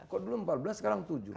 kok dulu empat belas sekarang tujuh